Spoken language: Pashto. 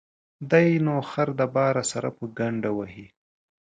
دى نو خر د باره سره په گڼده وهي.